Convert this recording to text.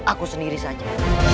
aku sendiri saja